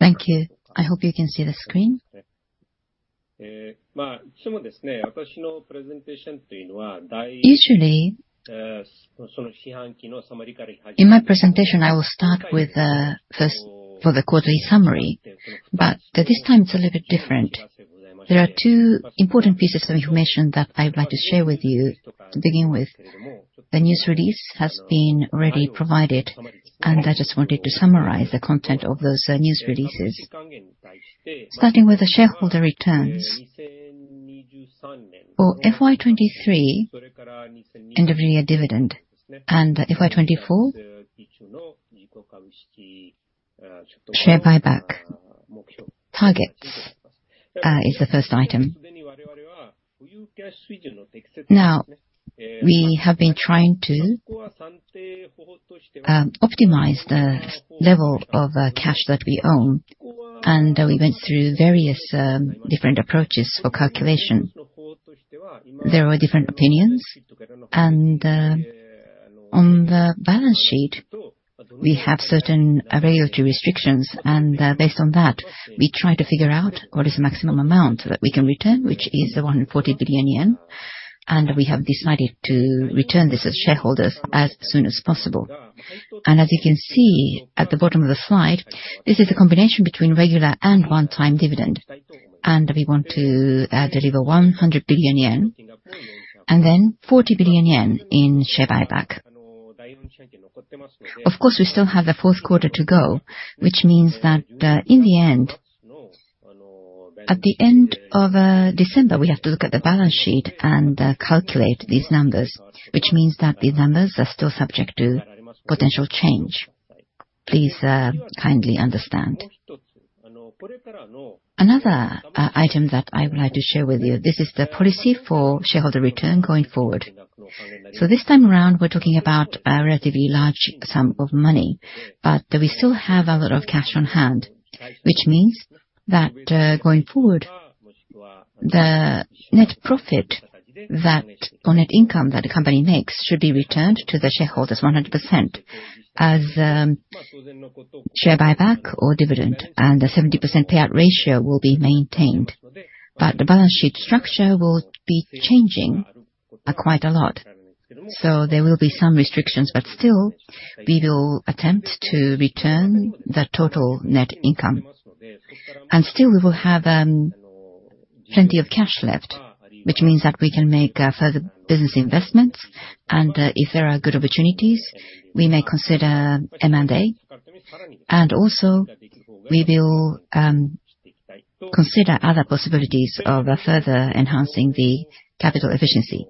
Thank you. I hope you can see the screen. Usually, in my presentation, I will start with first for the quarterly summary, but this time it's a little bit different. There are two important pieces of information that I would like to share with you. To begin with, the news release has been already provided, and I just wanted to summarize the content of those news releases. Starting with the shareholder returns, for FY 2023 end-of-year dividend and FY 2024 share buyback targets is the first item. Now, we have been trying to optimize the level of cash that we own, and we went through various different approaches for calculation. There were different opinions, and on the balance sheet, we have certain availability restrictions, and based on that, we try to figure out what is the maximum amount that we can return, which is 140 billion yen. We have decided to return this to shareholders as soon as possible. As you can see at the bottom of the slide, this is a combination between regular and one-time dividend, and we want to deliver 100 billion yen, and then 40 billion yen in share buyback. Of course, we still have the fourth quarter to go, which means that in the end, at the end of December, we have to look at the balance sheet and calculate these numbers, which means that these numbers are still subject to potential change. Please kindly understand. Another item that I would like to share with you, this is the policy for shareholder return going forward. So this time around, we're talking about a relatively large sum of money, but we still have a lot of cash on hand, which means that going forward, the net profit that-- or net income that a company makes should be returned to the shareholders 100% as share buyback or dividend, and a 70% payout ratio will be maintained. But the balance sheet structure will be changing quite a lot, so there will be some restrictions, but still, we will attempt to return the total net income. And still, we will have plenty of cash left, which means that we can make further business investments, and if there are good opportunities, we may consider M&A. Also, we will consider other possibilities of further enhancing the capital efficiency.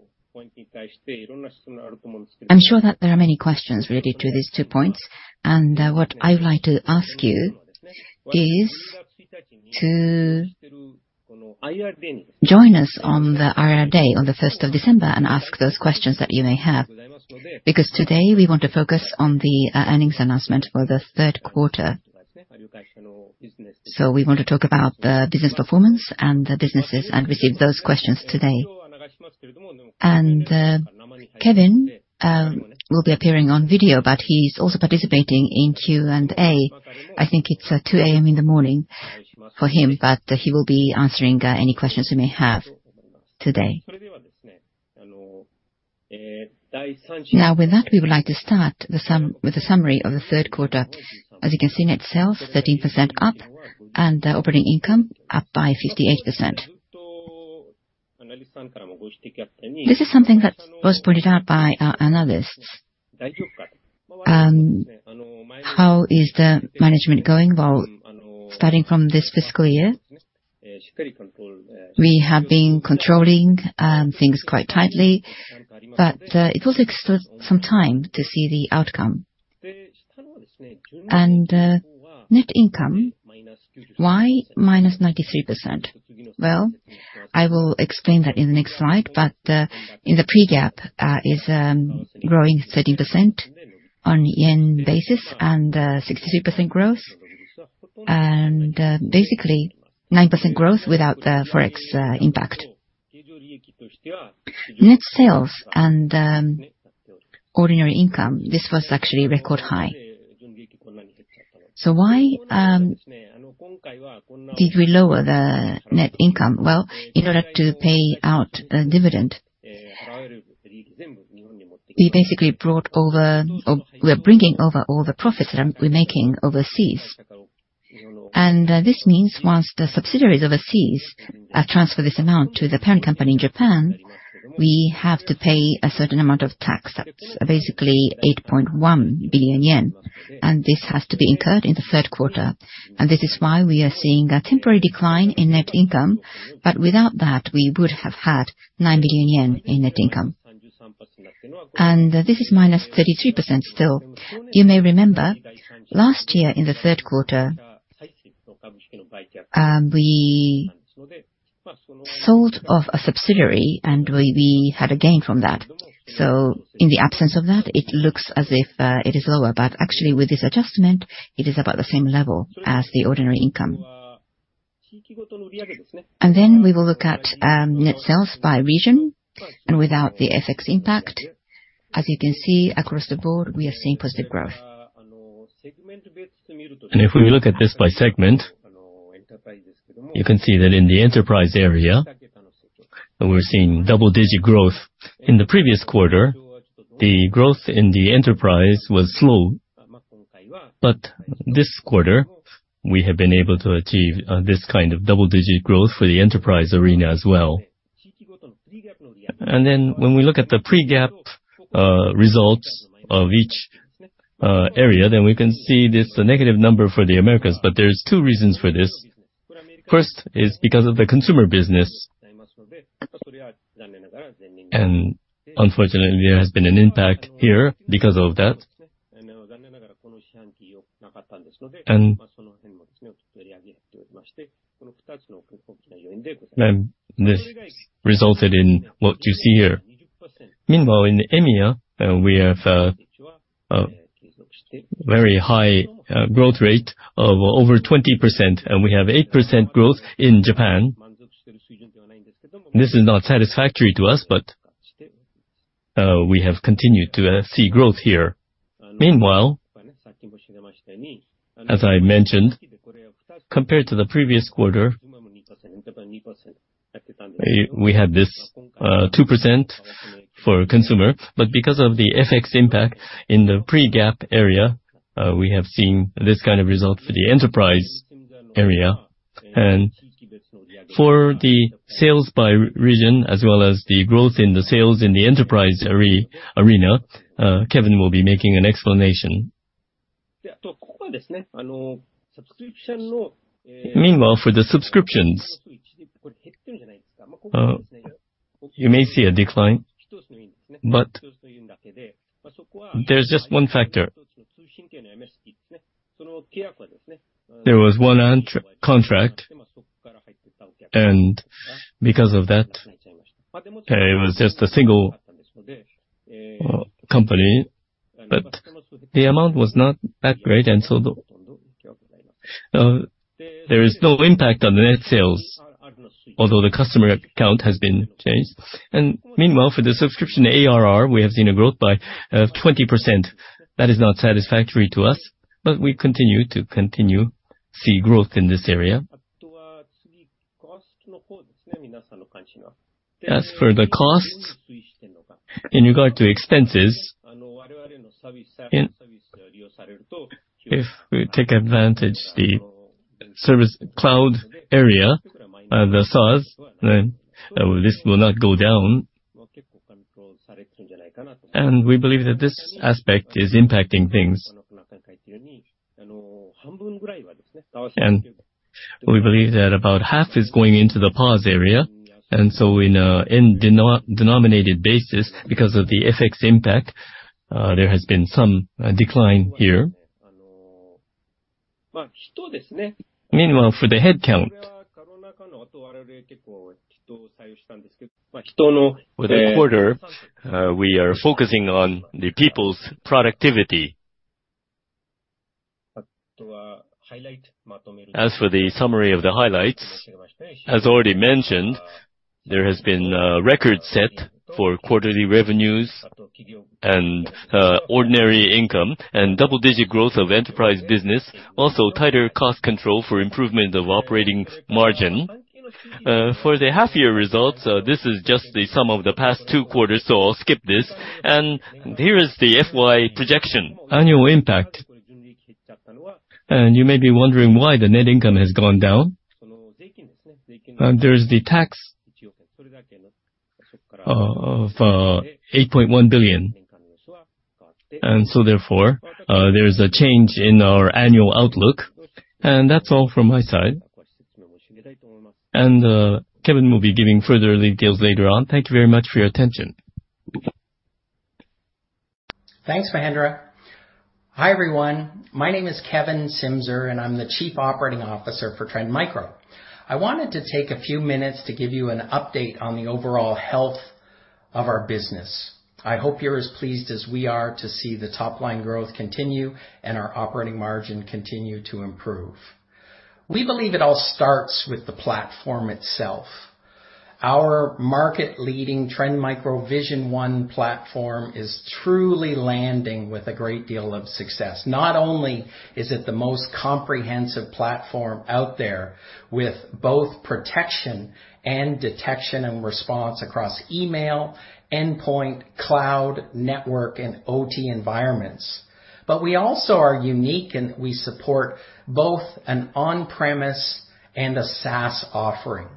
I'm sure that there are many questions related to these two points, and what I would like to ask you is to join us on the IR Day on the first of December and ask those questions that you may have. Because today, we want to focus on the earnings announcement for the third quarter. So we want to talk about the business performance and the businesses and receive those questions today. And Kevin will be appearing on video, but he's also participating in Q&A. I think it's 2:00 A.M. in the morning for him, but he will be answering any questions you may have today. Now, with that, we would like to start with the summary of the third quarter. As you can see, net sales 13% up and operating income up by 58%. This is something that was pointed out by our analysts. How is the management going? Well, starting from this fiscal year, we have been controlling things quite tightly, but it also takes some time to see the outcome. And net income, why minus 93%? Well, I will explain that in the next slide, but in the Pre-GAAP is growing 13% on yen basis and 63% growth, and basically 9% growth without the Forex impact. Net sales and ordinary income, this was actually record high. So why did we lower the net income? Well, in order to pay out a dividend, we basically brought over... We are bringing over all the profits that we're making overseas. This means once the subsidiaries overseas transfer this amount to the parent company in Japan, we have to pay a certain amount of tax. That's basically 8.1 billion yen, and this has to be incurred in the third quarter. This is why we are seeing a temporary decline in net income, but without that, we would have had 9 billion yen in net income. This is -33% still. You may remember, last year, in the third quarter, we sold off a subsidiary, and we had a gain from that. So in the absence of that, it looks as if it is lower, but actually, with this adjustment, it is about the same level as the ordinary income. And then we will look at net sales by region and without the FX impact. As you can see, across the board, we are seeing positive growth. And if we look at this by segment, you can see that in the enterprise area, we're seeing double-digit growth. In the previous quarter, the growth in the enterprise was slow, but this quarter, we have been able to achieve this kind of double-digit growth for the enterprise arena as well. And then when we look at the Pre-GAAP results of each area, then we can see there's a negative number for the Americas, but there's two reasons for this. First is because of the consumer business. And unfortunately, there has been an impact here because of that. And this resulted in what you see here. Meanwhile, in EMEA, we have a very high growth rate of over 20%, and we have 8% growth in Japan. This is not satisfactory to us, but we have continued to see growth here. Meanwhile, as I mentioned, compared to the previous quarter, we have this 2% for consumer, but because of the FX impact in the Pre-GAAP area, we have seen this kind of result for the enterprise area. And for the sales by region, as well as the growth in the sales in the enterprise arena, Kevin will be making an explanation. Meanwhile, for the subscriptions, you may see a decline, but there's just one factor. There was one enterprise contract, and because of that, it was just a single company, but the amount was not that great, and so there is no impact on the net sales, although the customer account has been changed. Meanwhile, for the subscription ARR, we have seen a growth by 20%. That is not satisfactory to us, but we continue to continue to see growth in this area. As for the costs, in regard to expenses, if we take advantage the service cloud area, the SaaS, then this will not go down. And we believe that this aspect is impacting things. And we believe that about half is going into the PaaS area, and so in a denominated basis, because of the FX impact, there has been some decline here. Meanwhile, for the headcount, for the quarter, we are focusing on the people's productivity. As for the summary of the highlights, as already mentioned, there has been a record set for quarterly revenues and ordinary income and double-digit growth of enterprise business, also tighter cost control for improvement of operating margin. For the half-year results, this is just the sum of the past two quarters, so I'll skip this. Here is the FY projection. Annual impact. You may be wondering why the net income has gone down. There's the tax of 8.1 billion. So therefore, there's a change in our annual outlook. That's all from my side. Kevin will be giving further details later on. Thank you very much for your attention. Thanks, Mahendra. Hi, everyone. My name is Kevin Simzer, and I'm the Chief Operating Officer for Trend Micro. I wanted to take a few minutes to give you an update on the overall health of our business. I hope you're as pleased as we are to see the top-line growth continue and our operating margin continue to improve. We believe it all starts with the platform itself. Our market-leading Trend Vision One platform is truly landing with a great deal of success. Not only is it the most comprehensive platform out there, with both protection and detection and response across email, endpoint, cloud, network, and OT environments, but we also are unique in that we support both an on-premise and a SaaS offering.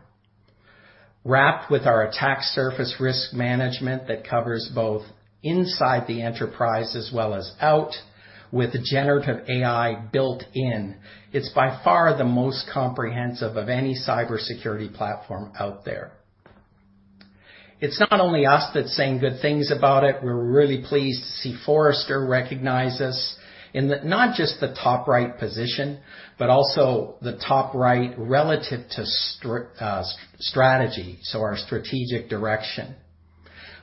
Wrapped with our Attack Surface Risk Management that covers both inside the enterprise as well as out, with generative AI built in, it's by far the most comprehensive of any cybersecurity platform out there. It's not only us that's saying good things about it. We're really pleased to see Forrester recognize us in the, not just the top right position, but also the top right relative to strategy, so our strategic direction.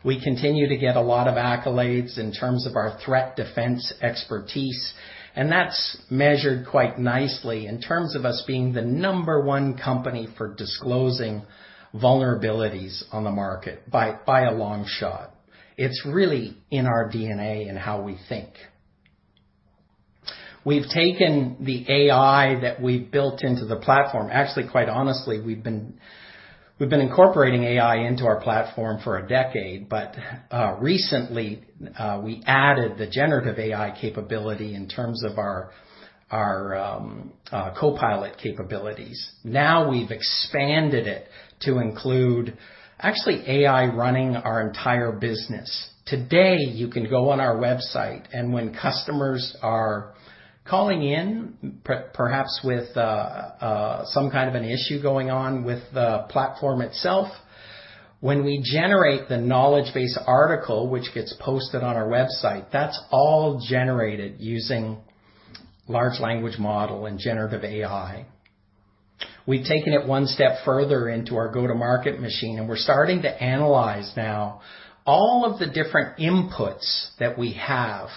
We continue to get a lot of accolades in terms of our threat defense expertise, and that's measured quite nicely in terms of us being the number one company for disclosing vulnerabilities on the market by a long shot. It's really in our DNA and how we think. We've taken the AI that we built into the platform. Actually, quite honestly, we've been incorporating AI into our platform for a decade, but recently we added the generative AI capability in terms of our copilot capabilities. Now we've expanded it to include actually AI running our entire business. Today, you can go on our website, and when customers are calling in, perhaps with some kind of an issue going on with the platform itself, when we generate the knowledge base article, which gets posted on our website, that's all generated using large language model and generative AI. We've taken it one step further into our go-to-market machine, and we're starting to analyze now all of the different inputs that we have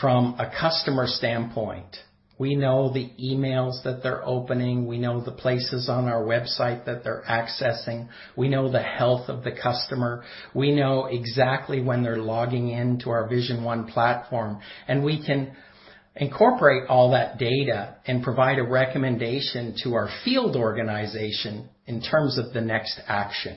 from a customer standpoint. We know the emails that they're opening. We know the places on our website that they're accessing. We know the health of the customer. We know exactly when they're logging in to our Vision One platform, and we can incorporate all that data and provide a recommendation to our field organization in terms of the next action.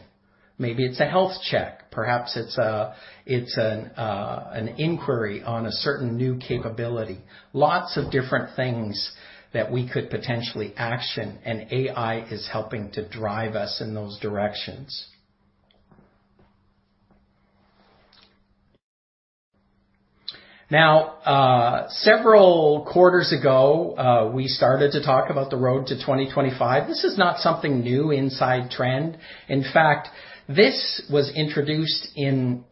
Maybe it's a health check, perhaps it's a, it's an, an inquiry on a certain new capability. Lots of different things that we could potentially action, and AI is helping to drive us in those directions. Now, several quarters ago, we started to talk about the Road to 2025. This is not something new inside Trend. In fact, this was introduced in,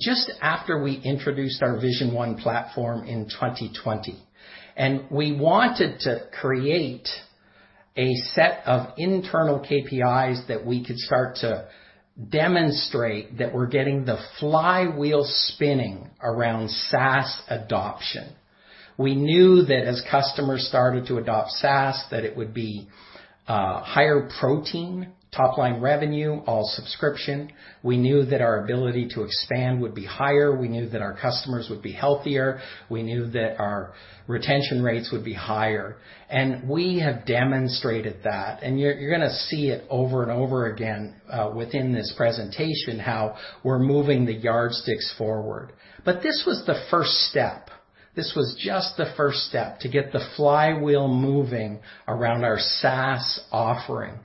just after we introduced our Vision One platform in 2020, and we wanted to create a set of internal KPIs that we could start to demonstrate that we're getting the flywheel spinning around SaaS adoption. We knew that as customers started to adopt SaaS, that it would be higher protein, top line revenue, all subscription. We knew that our ability to expand would be higher. We knew that our customers would be healthier. We knew that our retention rates would be higher. And we have demonstrated that, and you're gonna see it over and over again within this presentation, how we're moving the yardsticks forward. But this was the first step. This was just the first step to get the flywheel moving around our SaaS offering.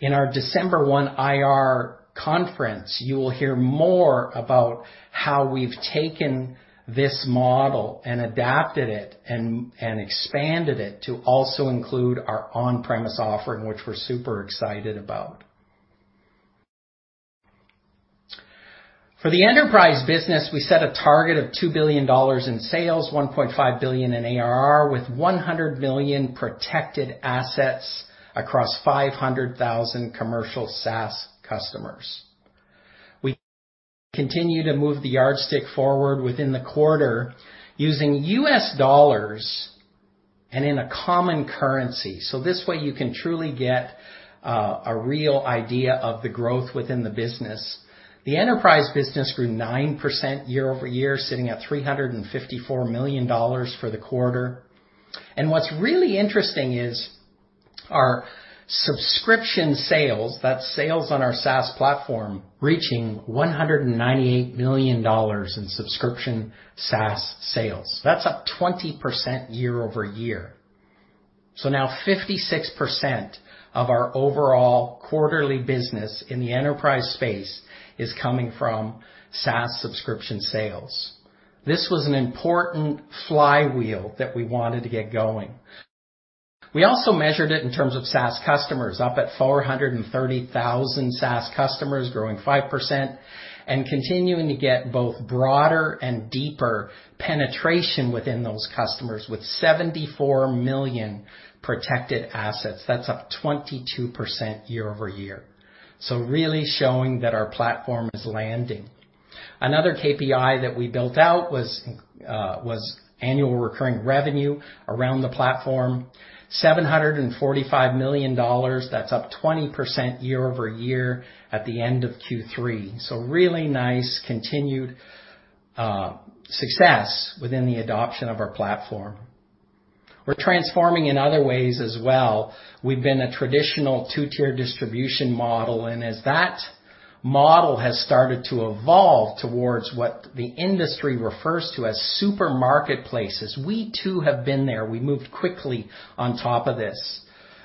In our December 1 IR conference, you will hear more about how we've taken this model and adapted it, and expanded it to also include our on-premise offering, which we're super excited about. For the enterprise business, we set a target of $2 billion in sales, $1.5 billion in ARR, with 100 million protected assets across 500,000 commercial SaaS customers. We continue to move the yardstick forward within the quarter using U.S. dollars and in a common currency, so this way you can truly get a real idea of the growth within the business. The enterprise business grew 9% year-over-year, sitting at $354 million for the quarter. And what's really interesting is our subscription sales, that's sales on our SaaS platform, reaching $198 million in subscription SaaS sales. That's up 20% year-over-year. So now 56% of our overall quarterly business in the enterprise space is coming from SaaS subscription sales. This was an important flywheel that we wanted to get going. We also measured it in terms of SaaS customers, up at 430,000 SaaS customers, growing 5%, and continuing to get both broader and deeper penetration within those customers with 74 million protected assets. That's up 22% year-over-year. So really showing that our platform is landing. Another KPI that we built out was annual recurring revenue around the platform, $745 million. That's up 20% year-over-year at the end of Q3. So really nice continued success within the adoption of our platform. We're transforming in other ways as well. We've been a traditional two-tier distribution model, and as that model has started to evolve towards what the industry refers to as super marketplaces, we too have been there. We moved quickly on top of this.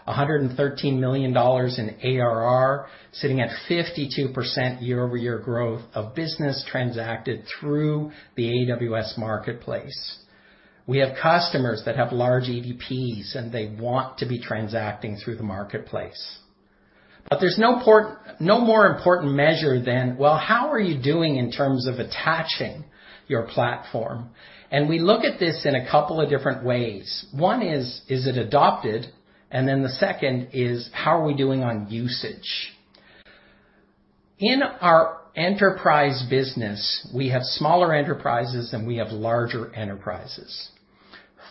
$113 million in ARR, sitting at 52% year-over-year growth of business transacted through the AWS Marketplace. We have customers that have large EDPs, and they want to be transacting through the marketplace. But there's no more important measure than, well, how are you doing in terms of attaching your platform? And we look at this in a couple of different ways. One is, is it adopted? And then the second is, how are we doing on usage? In our enterprise business, we have smaller enterprises, and we have larger enterprises.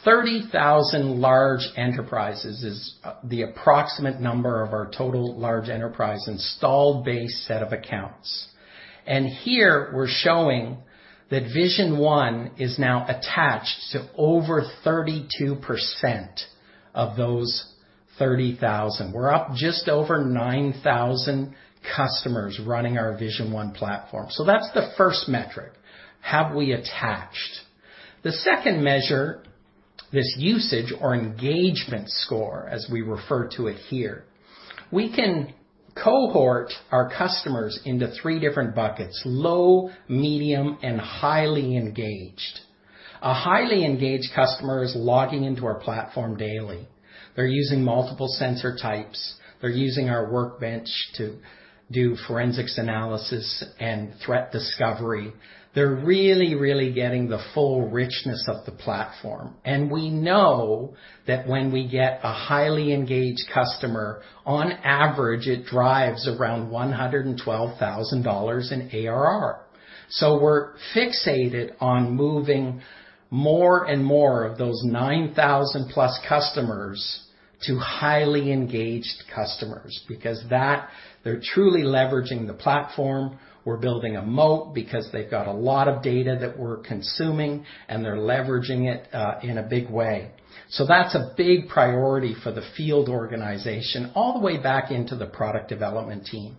30,000 large enterprises is the approximate number of our total large enterprise installed base set of accounts. And here we're showing that Vision One is now attached to over 32% of those 30,000. We're up just over 9,000 customers running our Vision One platform. So that's the first metric. Have we attached? The second measure, this usage or engagement score, as we refer to it here, we can cohort our customers into three different buckets, low, medium, and highly engaged. A highly engaged customer is logging into our platform daily. They're using multiple sensor types. They're using our workbench to do forensics analysis and threat discovery. They're really, really getting the full richness of the platform, and we know that when we get a highly engaged customer, on average, it drives around $112,000 in ARR. So we're fixated on moving more and more of those 9,000+ customers to highly engaged customers because that they're truly leveraging the platform. We're building a moat because they've got a lot of data that we're consuming, and they're leveraging it in a big way. So that's a big priority for the field organization, all the way back into the product development team.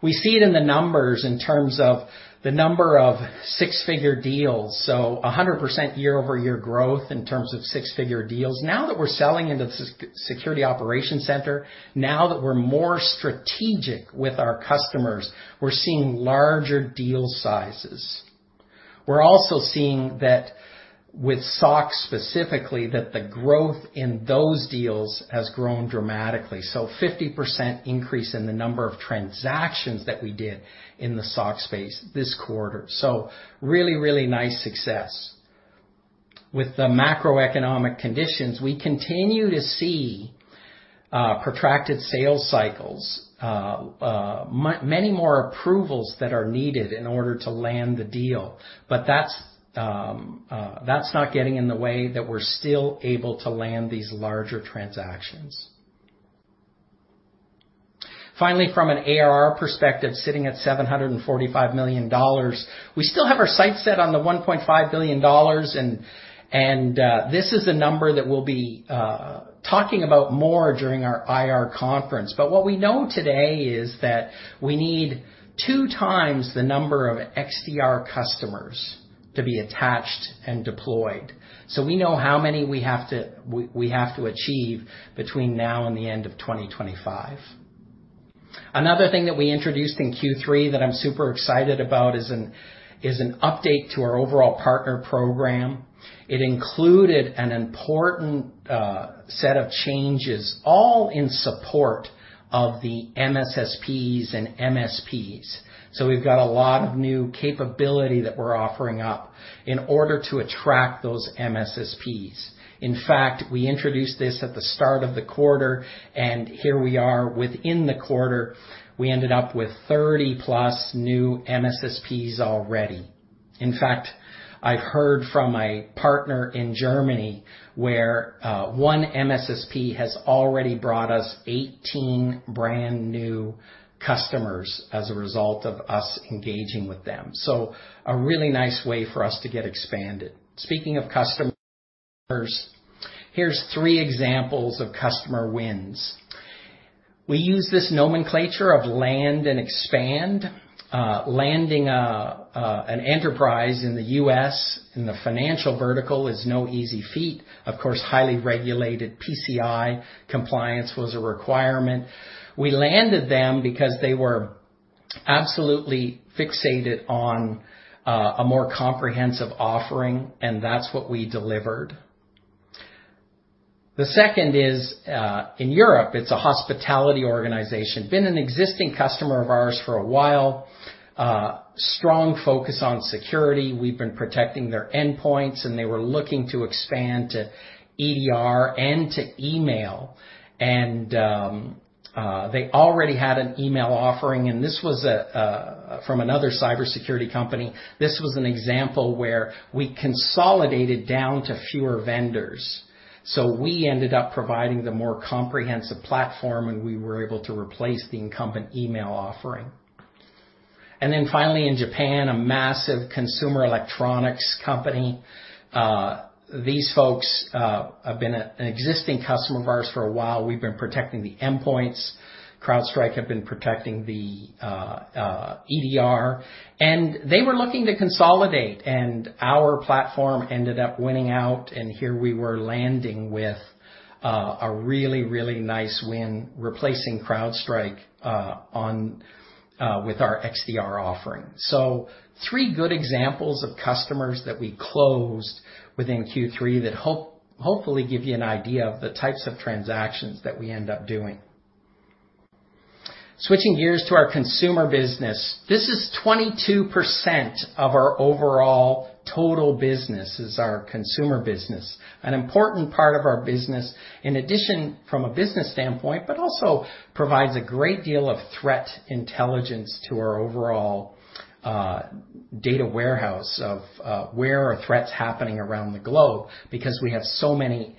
We see it in the numbers in terms of the number of six-figure deals, so 100% year-over-year growth in terms of six-figure deals. Now that we're selling into the security operations center, now that we're more strategic with our customers, we're seeing larger deal sizes. We're also seeing that with SOC, specifically, that the growth in those deals has grown dramatically, so 50% increase in the number of transactions that we did in the SOC space this quarter. So really, really nice success. With the macroeconomic conditions, we continue to see protracted sales cycles, many more approvals that are needed in order to land the deal, but that's not getting in the way that we're still able to land these larger transactions. Finally, from an ARR perspective, sitting at $745 million, we still have our sights set on the $1.5 billion, and this is a number that we'll be talking about more during our IR conference. But what we know today is that we need two times the number of XDR customers to be attached and deployed. So we know how many we have to, we, we have to achieve between now and the end of 2025. Another thing that we introduced in Q3 that I'm super excited about is an update to our overall partner program. It included an important set of changes, all in support of the MSSPs and MSPs. So we've got a lot of new capability that we're offering up in order to attract those MSSPs. In fact, we introduced this at the start of the quarter, and here we are within the quarter, we ended up with 30+ new MSSPs already. In fact, I've heard from a partner in Germany where one MSSP has already brought us 18 brand-new customers as a result of us engaging with them. So a really nice way for us to get expanded. Speaking of customers, here's 3 examples of customer wins. We use this nomenclature of land and expand. Landing an enterprise in the U.S., in the financial vertical is no easy feat. Of course, highly regulated PCI compliance was a requirement. We landed them because they were absolutely fixated on a more comprehensive offering, and that's what we delivered. The second is in Europe, it's a hospitality organization. Been an existing customer of ours for a while. Strong focus on security. We've been protecting their endpoints, and they were looking to expand to EDR and to email. And they already had an email offering, and this was from another cybersecurity company. This was an example where we consolidated down to fewer vendors. So we ended up providing the more comprehensive platform, and we were able to replace the incumbent email offering. And then finally, in Japan, a massive consumer electronics company, these folks have been an existing customer of ours for a while. We've been protecting the endpoints. CrowdStrike have been protecting the EDR, and they were looking to consolidate, and our platform ended up winning out, and here we were landing with a really, really nice win, replacing CrowdStrike on with our XDR offering. So three good examples of customers that we closed within Q3 that hopefully give you an idea of the types of transactions that we end up doing.... Switching gears to our consumer business. This is 22% of our overall total business, is our consumer business, an important part of our business, in addition from a business standpoint, but also provides a great deal of threat intelligence to our overall, data warehouse of, where are threats happening around the globe, because we have so many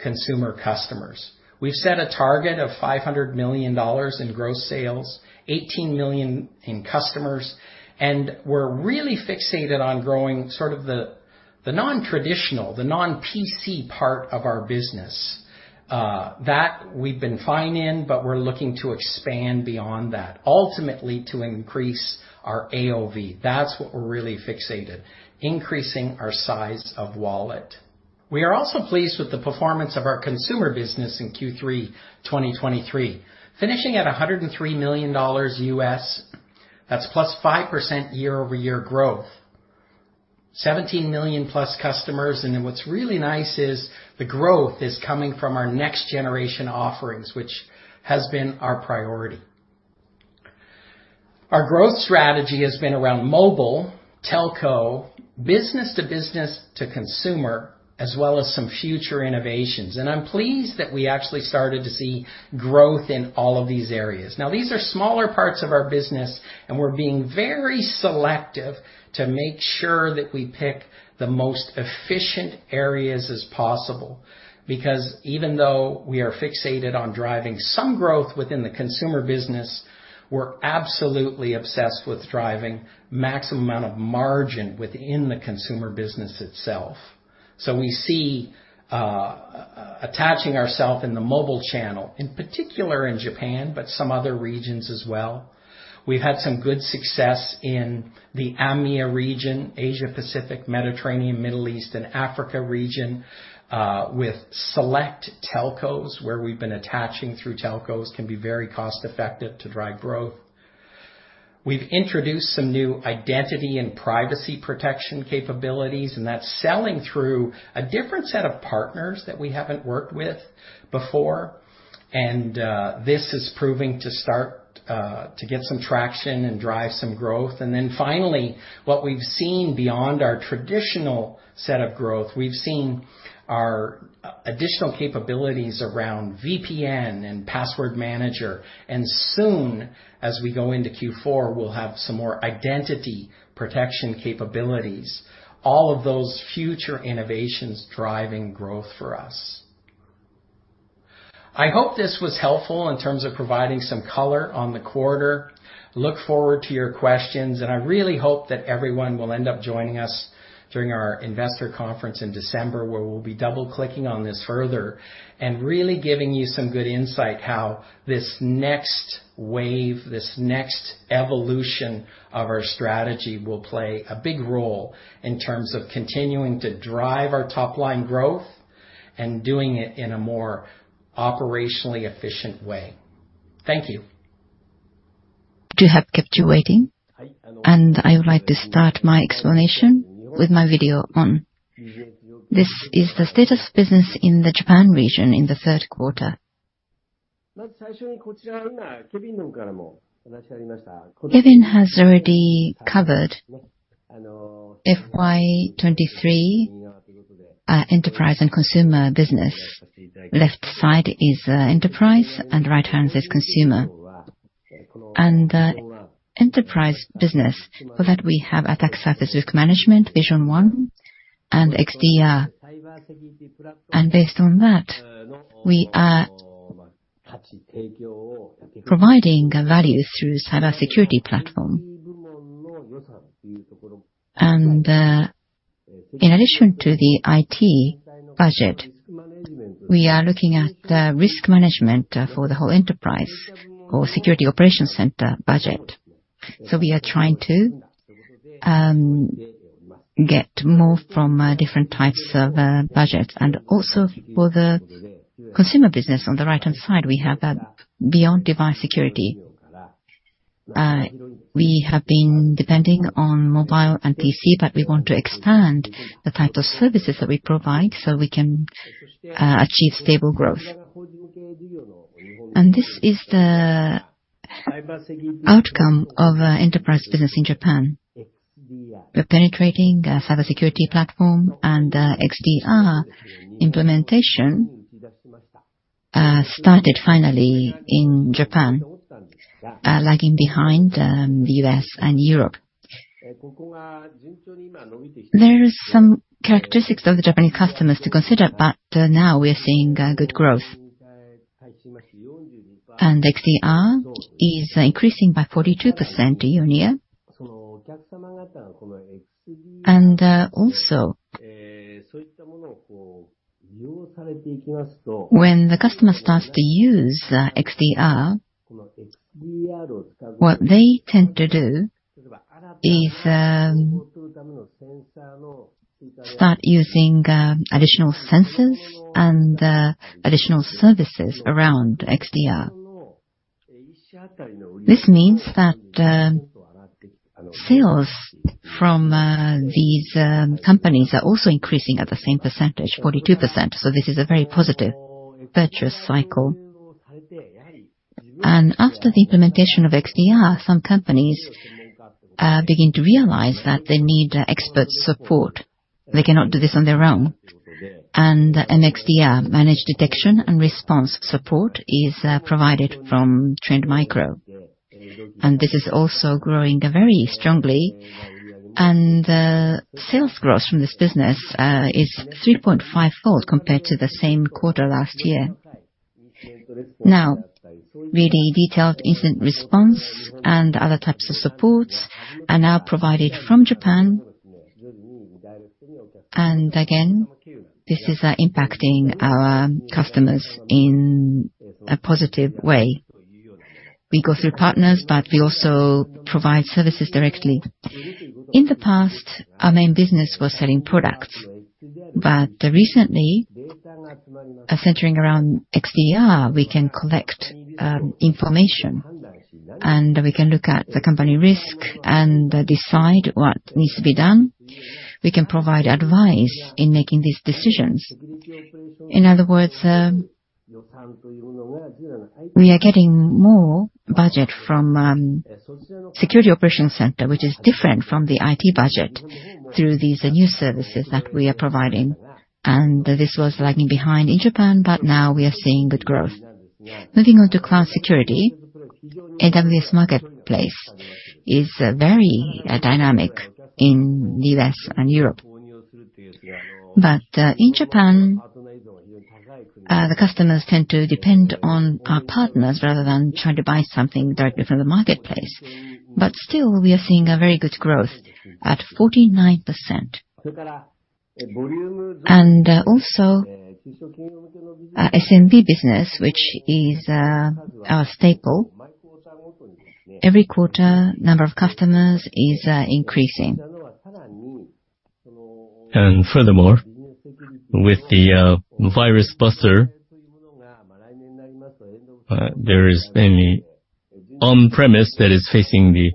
consumer customers. We've set a target of $500 million in gross sales, 18 million customers, and we're really fixated on growing sort of the, the nontraditional, the non-PC part of our business. That we've been fine in, but we're looking to expand beyond that, ultimately, to increase our AOV. That's what we're really fixated, increasing our size of wallet. We are also pleased with the performance of our consumer business in Q3-2023, finishing at $103 million. That's +5% year-over-year growth. 17 million-plus customers, and then what's really nice is the growth is coming from our next generation offerings, which has been our priority. Our growth strategy has been around mobile, telco, business-to-business to consumer, as well as some future innovations. I'm pleased that we actually started to see growth in all of these areas. Now, these are smaller parts of our business, and we're being very selective to make sure that we pick the most efficient areas as possible, because even though we are fixated on driving some growth within the consumer business, we're absolutely obsessed with driving maximum amount of margin within the consumer business itself. So we see attaching ourself in the mobile channel, in particular in Japan, but some other regions as well. We've had some good success in the EMEA region, Asia-Pacific, Mediterranean, Middle East, and Africa region, with select telcos, where we've been attaching through telcos, can be very cost-effective to drive growth. We've introduced some new identity and privacy protection capabilities, and that's selling through a different set of partners that we haven't worked with before. This is proving to start, to get some traction and drive some growth. Then finally, what we've seen beyond our traditional set of growth, we've seen our additional capabilities around VPN and password manager, and soon, as we go into Q4, we'll have some more identity protection capabilities. All of those future innovations driving growth for us. I hope this was helpful in terms of providing some color on the quarter. Look forward to your questions, and I really hope that everyone will end up joining us during our investor conference in December, where we'll be double-clicking on this further and really giving you some good insight how this next wave, this next evolution of our strategy, will play a big role in terms of continuing to drive our top-line growth and doing it in a more operationally efficient way. Thank you. To have kept you waiting, and I would like to start my explanation with my video on. This is the status of business in the Japan region in the third quarter. Kevin has already covered FY 2023, enterprise and consumer business. Left side is enterprise, and right-hand side, consumer. And enterprise business, for that, we have Attack Surface Risk Management, Vision One, and XDR. And based on that, we are providing values through cybersecurity platform. And in addition to the IT budget, we are looking at the risk management for the whole enterprise or security operations center budget. So we are trying to get more from different types of budgets. And also for the consumer business, on the right-hand side, we have beyond device security. We have been depending on mobile and PC, but we want to expand the type of services that we provide, so we can achieve stable growth. And this is the outcome of enterprise business in Japan. We're penetrating a cybersecurity platform, and XDR implementation started finally in Japan, lagging behind the US and Europe. There is some characteristics of the Japanese customers to consider, but now we are seeing good growth. And XDR is increasing by 42% year-on-year. And also, when the customer starts to use XDR, what they tend to do is start using additional sensors and additional services around XDR. This means that sales from these companies are also increasing at the same percentage, 42%, so this is a very positive virtuous cycle. After the implementation of XDR, some companies begin to realize that they need expert support. They cannot do this on their own. An XDR, managed detection and response support, is provided from Trend Micro, and this is also growing very strongly, and the sales growth from this business is 3.5-fold compared to the same quarter last year. Now, really detailed incident response and other types of supports are now provided from Japan. Again, this is impacting our customers in a positive way. We go through partners, but we also provide services directly. In the past, our main business was selling products, but recently, centering around XDR, we can collect information, and we can look at the company risk and decide what needs to be done. We can provide advice in making these decisions. In other words, we are getting more budget from security operations center, which is different from the IT budget, through these new services that we are providing. And this was lagging behind in Japan, but now we are seeing good growth. Moving on to cloud security, AWS Marketplace is very dynamic in the U.S. and Europe. But in Japan, the customers tend to depend on our partners rather than trying to buy something directly from the marketplace. But still, we are seeing a very good growth at 49%. And also, our SMB business, which is our staple, every quarter, number of customers is increasing. Furthermore, with the Virus Buster, there is many on-premise that is facing the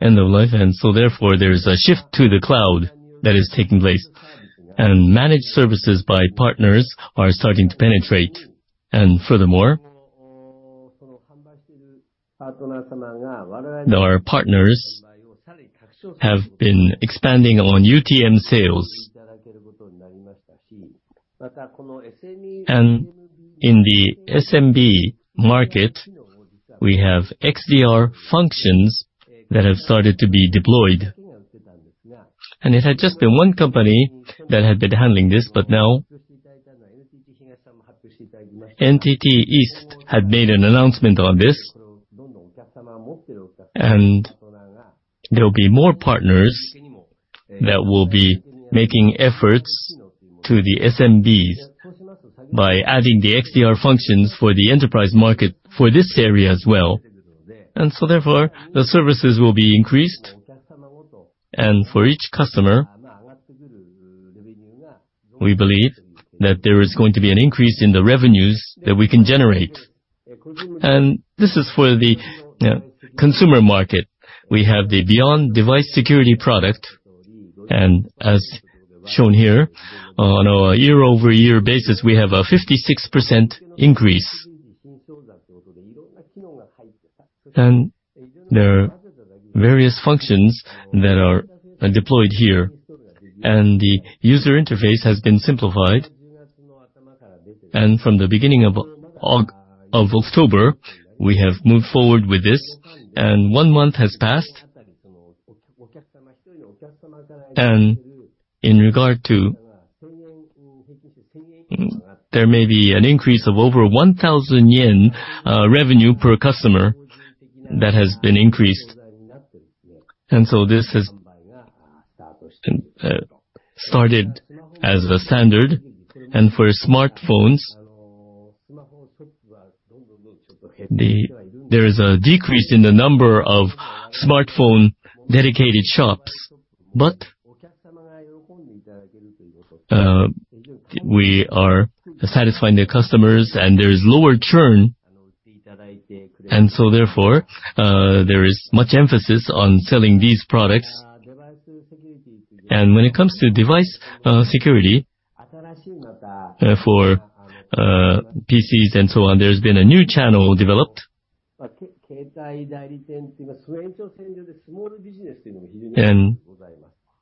end of life, and so therefore, there is a shift to the cloud that is taking place, and managed services by partners are starting to penetrate. Furthermore, our partners have been expanding on UTM sales. In the SMB market, we have XDR functions that have started to be deployed. It had just been one company that had been handling this, but now, NTT East had made an announcement on this. There will be more partners that will be making efforts to the SMBs by adding the XDR functions for the enterprise market for this area as well. So therefore, the services will be increased, and for each customer, we believe that there is going to be an increase in the revenues that we can generate. And this is for the consumer market. We have the Beyond Device Security product, and as shown here, on a year-over-year basis, we have a 56% increase. And there are various functions that are deployed here, and the user interface has been simplified. And from the beginning of of October, we have moved forward with this, and one month has passed. And in regard to, there may be an increase of over 1,000 yen revenue per customer that has been increased. And so this has started as a standard, and for smartphones, there is a decrease in the number of smartphone-dedicated shops, but we are satisfying the customers, and there is lower churn. And so therefore, there is much emphasis on selling these products. When it comes to device security for PCs and so on, there's been a new channel developed. And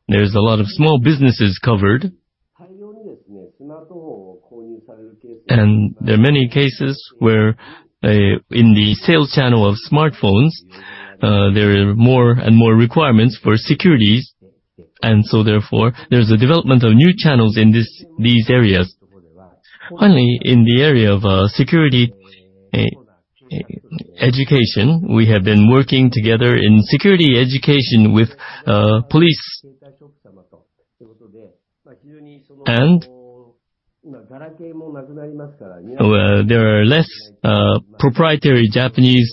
there's a lot of small businesses covered. And there are many cases where in the sales channel of smartphones there are more and more requirements for securities, and so therefore, there's a development of new channels in this these areas. Finally, in the area of security education, we have been working together in security education with police. And there are less proprietary Japanese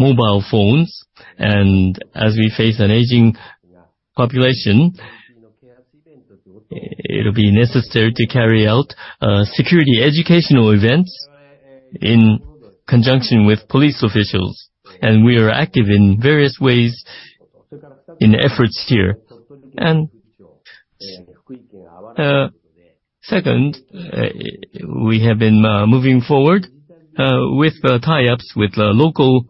mobile phones, and as we face an aging population. It'll be necessary to carry out security educational events in conjunction with police officials, and we are active in various ways in efforts here. And second, we have been moving forward with the tie-ups with the local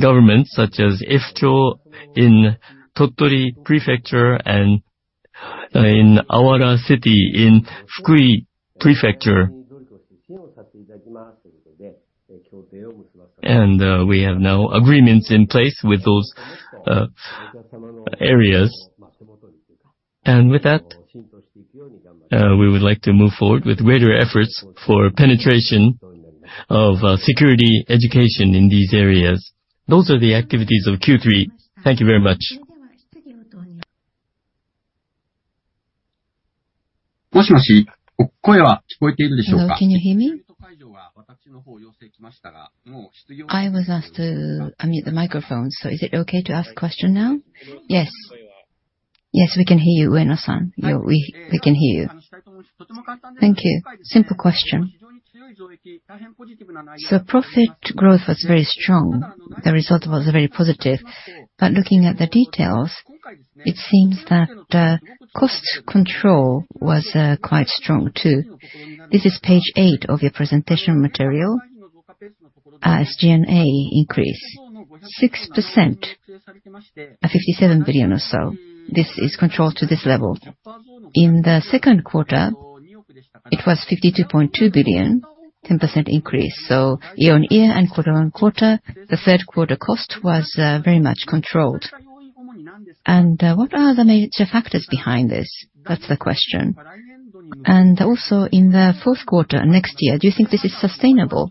governments, such as Yazu Town in Tottori Prefecture and in Awara City in Fukui Prefecture. And we have now agreements in place with those areas. And with that, we would like to move forward with greater efforts for penetration of security education in these areas. Those are the activities of Q3. Thank you very much. Hello, can you hear me? I was asked to unmute the microphone, so is it okay to ask question now? Yes. Yes, we can hear you, Ueno-san. We, we can hear you. Thank you. Simple question. So profit growth was very strong. The result was very positive, but looking at the details, it seems that cost control was quite strong, too. This is page eight of your presentation material. As SG&A increased 6%, 57 billion or so, this is controlled to this level. In the second quarter, it was 52.2 billion, 10% increase, so year-on-year and quarter-on-quarter, the third quarter cost was very much controlled. What are the major factors behind this? That's the question. Also, in the fourth quarter, next year, do you think this is sustainable?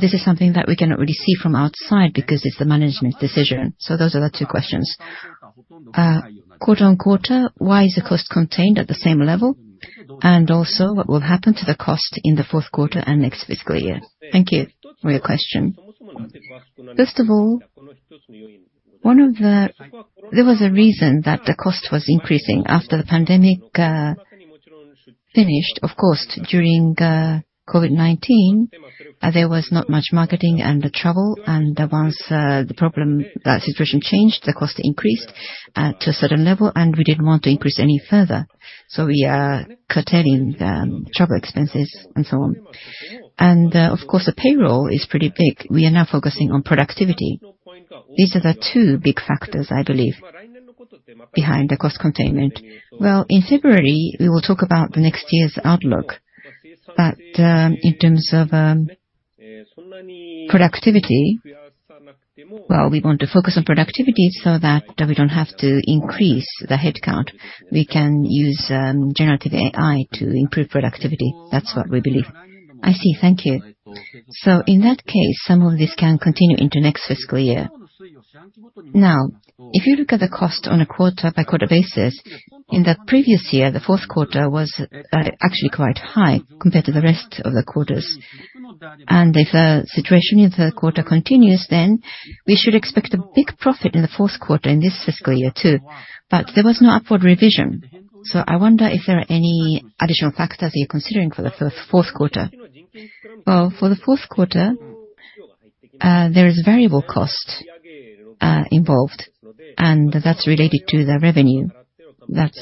This is something that we cannot really see from outside because it's the management's decision. So those are the two questions. Quarter-on-quarter, why is the cost contained at the same level? And also, what will happen to the cost in the fourth quarter and next fiscal year? Thank you for your question. First of all, one of the... There was a reason that the cost was increasing after the pandemic finished. Of course, during COVID-19, there was not much marketing and travel, and once the problem, the situation changed, the cost increased to a certain level, and we didn't want to increase any further, so we are curtailing travel expenses and so on. Of course, the payroll is pretty big. We are now focusing on productivity. These are the two big factors, I believe, behind the cost containment. Well, in February, we will talk about the next year's outlook, but in terms of productivity, well, we want to focus on productivity so that we don't have to increase the headcount. We can use generative AI to improve productivity. That's what we believe. I see. Thank you. So in that case, some of this can continue into next fiscal year. Now, if you look at the cost on a quarter-by-quarter basis, in the previous year, the fourth quarter was actually quite high compared to the rest of the quarters. And if the situation in the third quarter continues, then we should expect a big profit in the fourth quarter in this fiscal year, too. But there was no upward revision, so I wonder if there are any additional factors you're considering for the fourth quarter. Well, for the fourth quarter, there is variable costs involved, and that's related to the revenue. That's...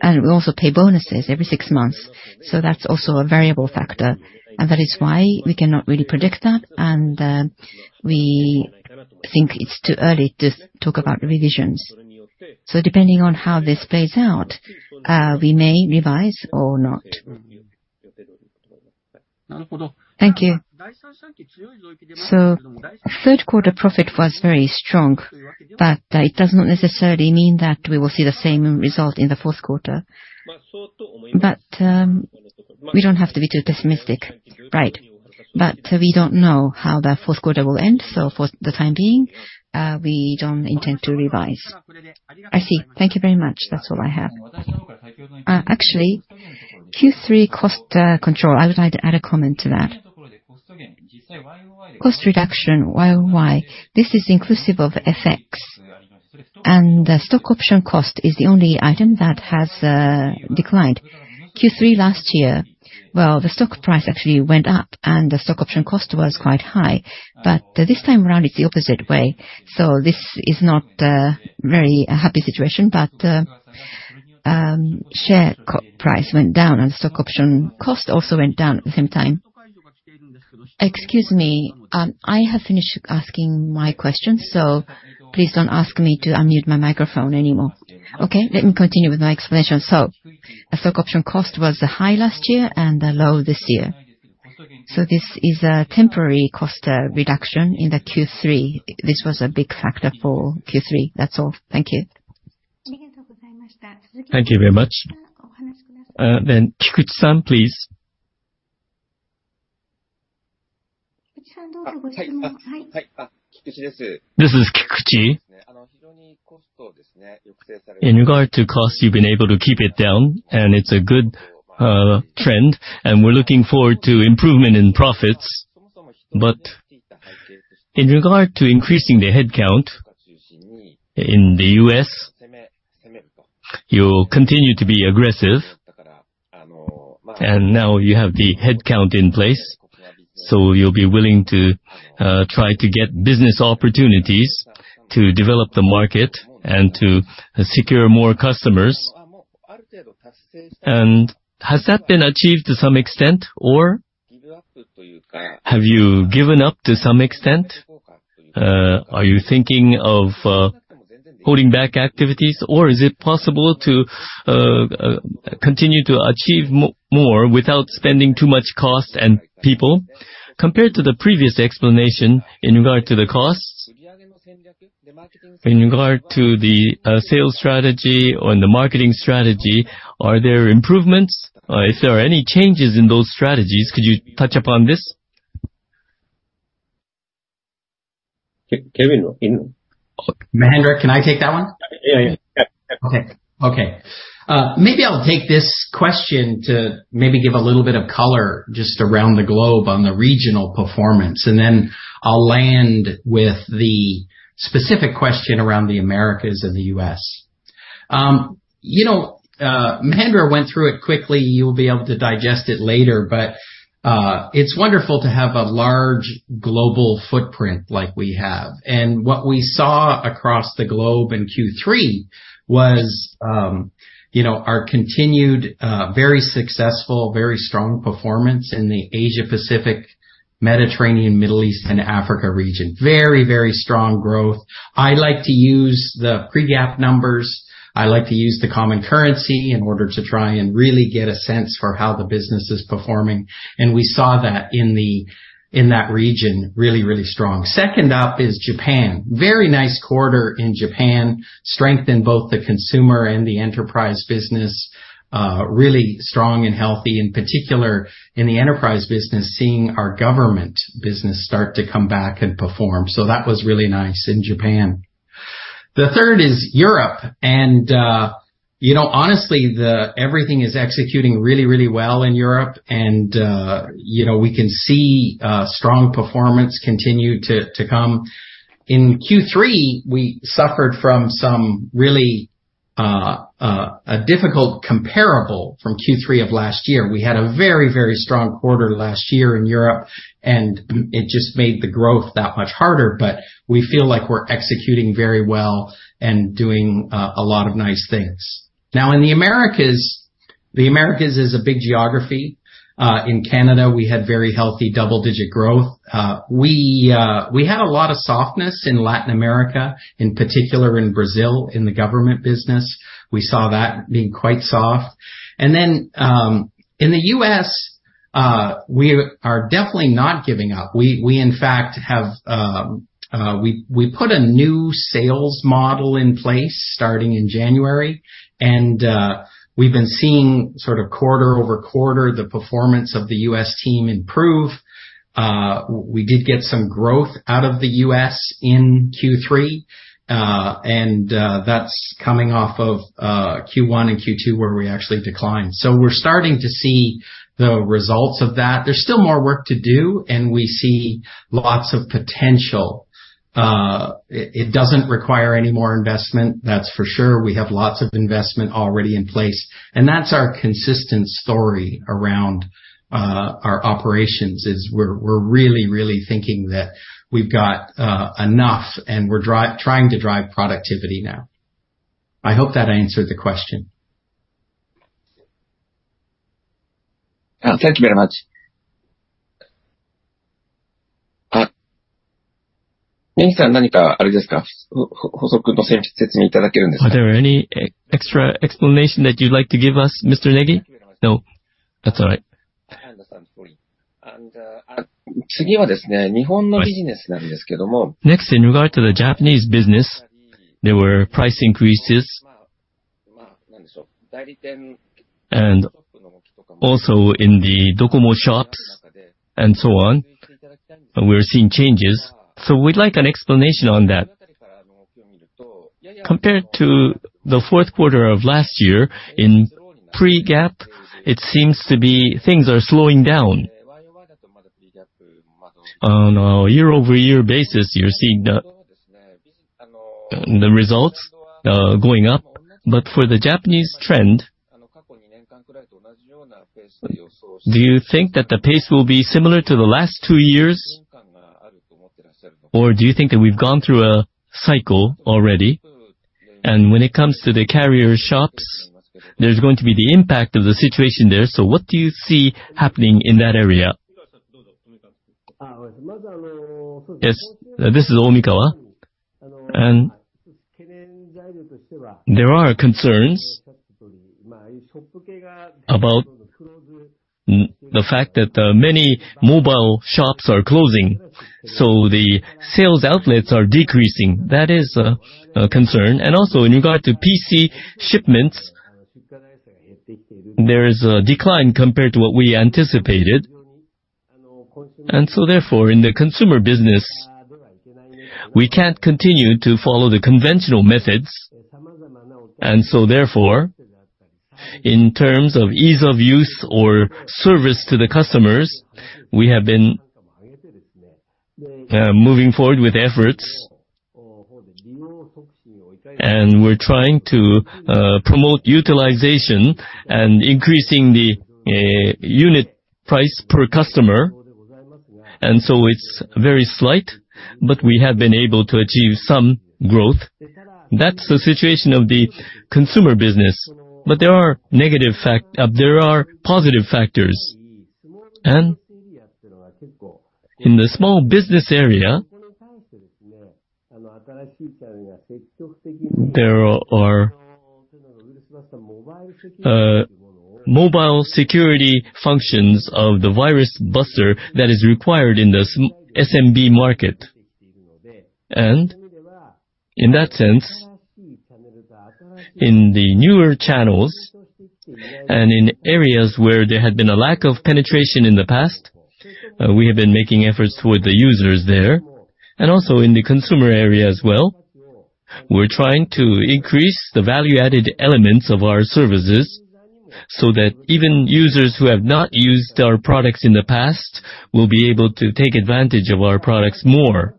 And we also pay bonuses every six months, so that's also a variable factor, and that is why we cannot really predict that, and we think it's too early to talk about revisions. So depending on how this plays out, we may revise or not. Thank you. So third quarter profit was very strong, but it does not necessarily mean that we will see the same result in the fourth quarter. But we don't have to be too pessimistic. Right. But we don't know how the fourth quarter will end, so for the time being, we don't intend to revise. I see. Thank you very much. That's all I have. Actually, Q3 cost control, I would like to add a comment to that. Cost reduction, YOY, this is inclusive of the effects, and the stock option cost is the only item that has declined. Q3 last year, well, the stock price actually went up, and the stock option cost was quite high. But this time around, it's the opposite way, so this is not very happy situation, but share price went down, and stock option cost also went down at the same time. Excuse me, I have finished asking my questions, so please don't ask me to unmute my microphone anymore. Okay, let me continue with my explanation. So the stock option cost was high last year and low this year. So this is a temporary cost reduction in the Q3. This was a big factor for Q3. That's all. Thank you. Thank you very much. Then Kikuchi-san, please. This is Kikuchi. In regard to cost, you've been able to keep it down, and it's a good trend, and we're looking forward to improvement in profits. But in regard to increasing the headcount in the U.S., you continue to be aggressive, and now you have the headcount in place, so you'll be willing to try to get business opportunities to develop the market and to secure more customers. And has that been achieved to some extent, or have you given up to some extent? Are you thinking of holding back activities, or is it possible to continue to achieve more without spending too much cost and people? Compared to the previous explanation in regard to the costs, in regard to the sales strategy and the marketing strategy, are there improvements, or is there any changes in those strategies? Could you touch upon this? Kevin, in- Mahendra, can I take that one? Yeah, yeah. Yeah. Okay. Okay, maybe I'll take this question to maybe give a little bit of color just around the globe on the regional performance, and then I'll land with the specific question around the Americas and the U.S. You know, Mahendra went through it quickly. You'll be able to digest it later, but it's wonderful to have a large global footprint like we have. And what we saw across the globe in Q3 was, you know, our continued, very successful, very strong performance in the Asia-Pacific, Mediterranean, Middle East, and Africa region. Very, very strong growth. I like to use the Pre-GAAP numbers. I like to use the common currency in order to try and really get a sense for how the business is performing, and we saw that in the, in that region, really, really strong. Second up is Japan. Very nice quarter in Japan. Strength in both the consumer and the enterprise business, really strong and healthy, in particular in the enterprise business, seeing our government business start to come back and perform. So that was really nice in Japan. The third is Europe, and, you know, honestly, everything is executing really, really well in Europe, and, you know, we can see, strong performance continue to come. In Q3, we suffered from some really, a difficult comparable from Q3 of last year. We had a very, very strong quarter last year in Europe, and it just made the growth that much harder. But we feel like we're executing very well and doing a lot of nice things. Now, in the Americas, the Americas is a big geography. In Canada, we had very healthy double-digit growth. We had a lot of softness in Latin America, in particular in Brazil, in the government business. We saw that being quite soft. And then, in the U.S., we are definitely not giving up. We, in fact, have, we put a new sales model in place starting in January, and, we've been seeing sort of quarter-over-quarter, the performance of the U.S. team improve. We did get some growth out of the U.S. in Q3, and, that's coming off of, Q1 and Q2, where we actually declined. So we're starting to see the results of that. There's still more work to do, and we see lots of potential. It doesn't require any more investment, that's for sure. We have lots of investment already in place. That's our consistent story around our operations. We're really, really thinking that we've got enough, and we're trying to drive productivity now. I hope that answered the question. Thank you very much. Negi-san, Are there any extra explanation that you'd like to give us, Mr. Negi? No, that's all right. And, uh, Next, in regard to the Japanese business, there were price increases. And also in the Docomo shops and so on, we're seeing changes, so we'd like an explanation on that. Compared to the fourth quarter of last year, in pre-GAAP, it seems to be things are slowing down. On a year-over-year basis, you're seeing the results going up. But for the Japanese trend, do you think that the pace will be similar to the last two years? Or do you think that we've gone through a cycle already, and when it comes to the carrier shops, there's going to be the impact of the situation there, so what do you see happening in that area? Yes, this is Omikawa. And there are concerns about the fact that many mobile shops are closing, so the sales outlets are decreasing. That is a concern. Also, in regard to PC shipments, there is a decline compared to what we anticipated, and so therefore, in the consumer business, we can't continue to follow the conventional methods, and so therefore, in terms of ease of use or service to the customers, we have been moving forward with efforts. And we're trying to promote utilization and increasing the unit price per customer, and so it's very slight, but we have been able to achieve some growth. That's the situation of the consumer business. But there are negative factors. There are positive factors. And in the small business area, there are mobile security functions of the Virus Buster that is required in the SMB market. And in that sense, in the newer channels and in areas where there had been a lack of penetration in the past, we have been making efforts with the users there. And also in the consumer area as well, we're trying to increase the value-added elements of our services, so that even users who have not used our products in the past will be able to take advantage of our products more.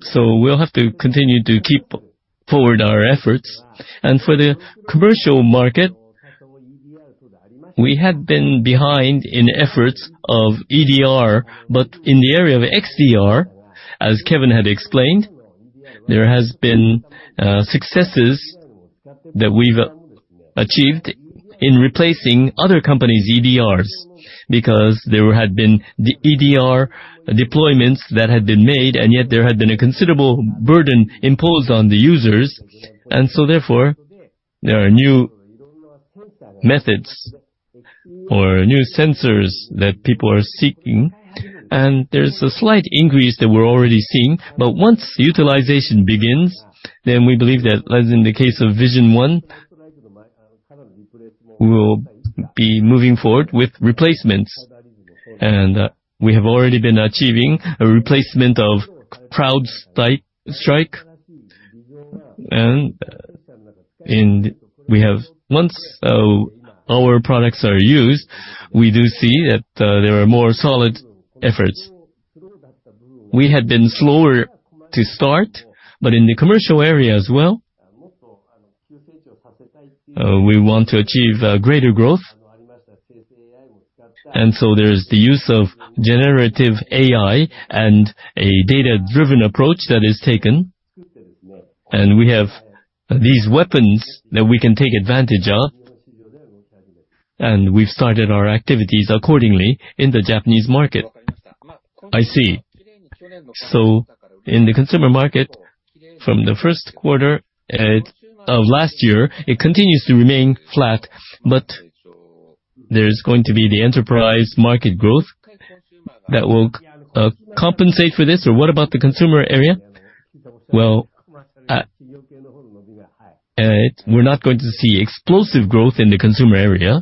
So we'll have to continue to keep forward our efforts. And for the commercial market, we had been behind in efforts of EDR, but in the area of XDR, as Kevin had explained, there has been, successes that we've, achieved in replacing other companies' EDRs. Because there had been the EDR deployments that had been made, and yet there had been a considerable burden imposed on the users. And so therefore, there are new methods or new sensors that people are seeking, and there's a slight increase that we're already seeing. But once utilization begins, then we believe that, as in the case of Vision One, we will be moving forward with replacements. And we have already been achieving a replacement of CrowdStrike. Once our products are used, we do see that there are more solid efforts. We had been slower to start, but in the commercial area as well, we want to achieve greater growth. And so there is the use of generative AI and a data-driven approach that is taken, and we have these weapons that we can take advantage of, and we've started our activities accordingly in the Japanese market. I see. So in the consumer market, from the first quarter of last year, it continues to remain flat, but there is going to be the enterprise market growth that will compensate for this, or what about the consumer area? Well, we're not going to see explosive growth in the consumer area,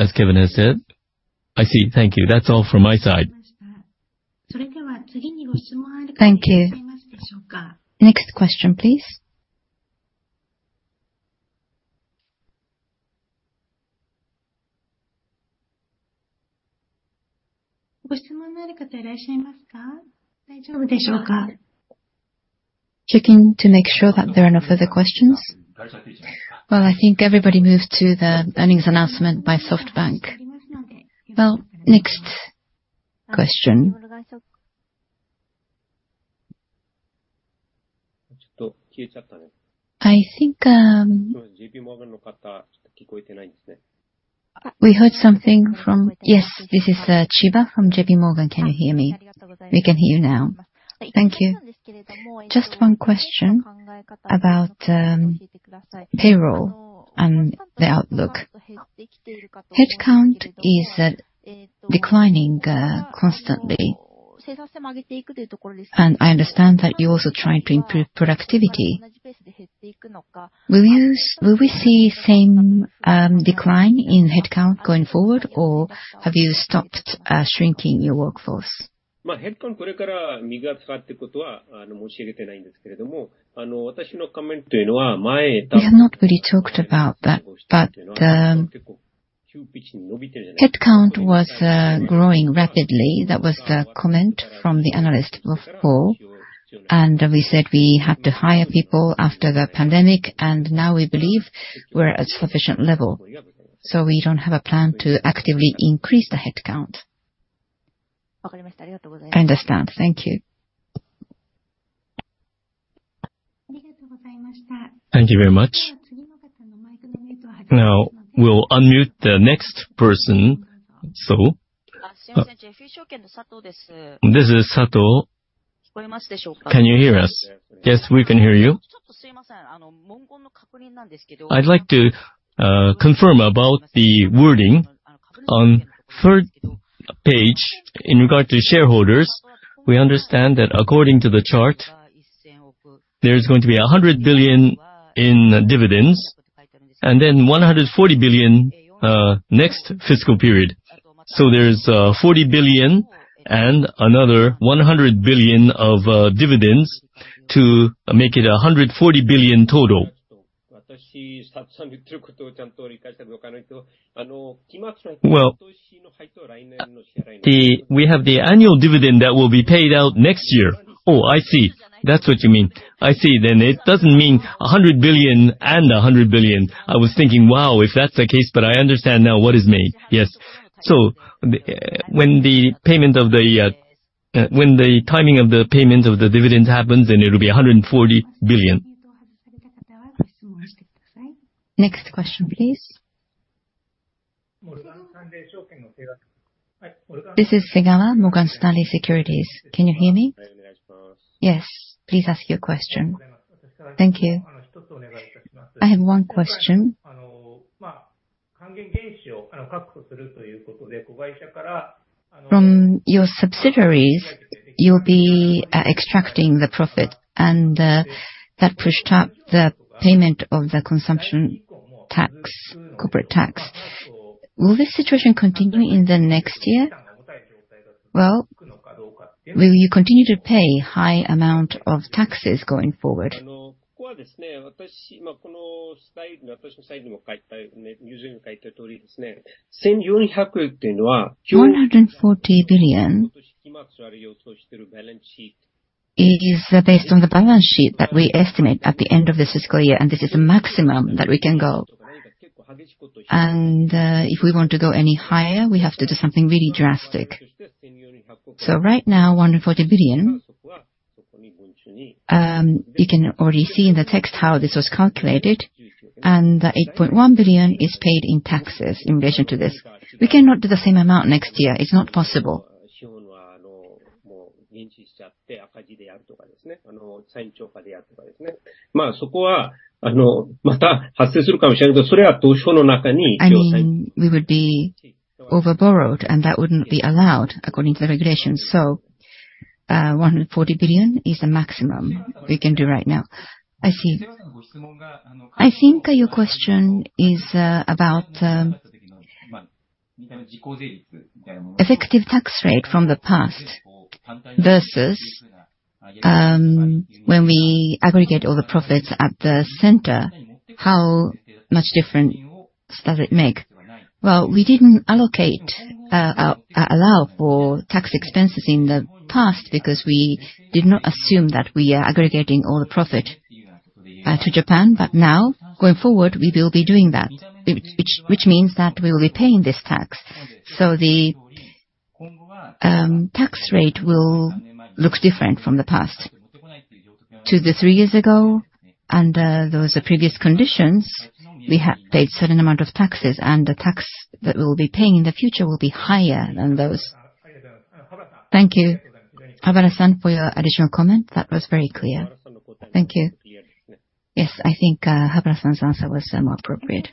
as Kevin has said. I see. Thank you. That's all from my side. Thank you. Next question, please. Checking to make sure that there are no further questions. Well, I think everybody moved to the earnings announcement by SoftBank. Well, next question. Yes, this is Chiba from JPMorgan. Can you hear me? We can hear you now. Thank you. Just one question about payroll and the outlook. Headcount is declining constantly, and I understand that you're also trying to improve productivity. Will we see same decline in headcount going forward, or have you stopped shrinking your workforce? We have not really talked about that, but headcount was growing rapidly. That was the comment from the analyst call. And we said we had to hire people after the pandemic, and now we believe we're at sufficient level, so we don't have a plan to actively increase the headcount. I understand. Thank you. Thank you very much. Now, we'll unmute the next person, so. This is Sato. Can you hear us? Yes, we can hear you. I'd like to confirm about the wording. On third page, in regard to shareholders, we understand that according to the chart. There's going to be 100 billion in dividends, and then 140 billion next fiscal period. So there's 40 billion and another 100 billion of dividends to make it 140 billion total. Well, we have the annual dividend that will be paid out next year. Oh, I see. That's what you mean. I see then. It doesn't mean 100 billion and 100 billion. I was thinking, "Wow, if that's the case," but I understand now what you mean. Yes. So, when the timing of the payment of the dividends happens, then it'll be 140 billion. Next question, please. This is Segawa, Morgan Stanley Securities. Can you hear me? Yes, please ask your question. Thank you. I have one question. From your subsidiaries, you'll be extracting the profit, and that pushed up the payment of the consumption tax, corporate tax. Will this situation continue in the next year? Will you continue to pay high amount of taxes going forward? JPY 440 billion is based on the balance sheet that we estimate at the end of the fiscal year, and this is the maximum that we can go. And, if we want to go any higher, we have to do something really drastic. So right now, 140 billion, you can already see in the text how this was calculated, and the 8.1 billion is paid in taxes in relation to this. We cannot do the same amount next year. It's not possible. I mean, we would be over-borrowed, and that wouldn't be allowed according to the regulations. So, 140 billion is the maximum we can do right now. I see. I think your question is about effective tax rate from the past versus when we aggregate all the profits at the center, how much difference does it make? Well, we didn't allow for tax expenses in the past because we did not assume that we are aggregating all the profit to Japan. But now, going forward, we will be doing that, which means that we will be paying this tax. So the tax rate will look different from the past. Two to three years ago, under those previous conditions, we had paid certain amount of taxes, and the tax that we'll be paying in the future will be higher than those. Thank you, Mahendra-san, for your additional comment. That was very clear. Thank you. Yes, I think, Mahendra-san's answer was, more appropriate.